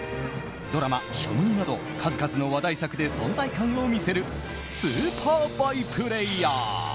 ドラマ「ショムニ」など数々の話題作で存在感を見せるスーパーバイプレイヤー。